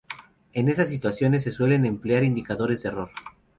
En esas situaciones, se suelen emplear indicadores de error.